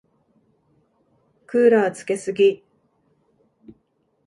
クーラーつけすぎ。